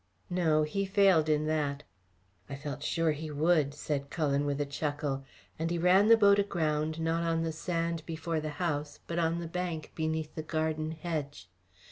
"No, he failed in that." "I felt sure he would," said Cullen with a chuckle, and he ran the boat aground, not on the sand before the house but on the bank beneath the garden hedge.